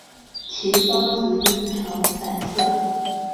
其孢子印呈白色。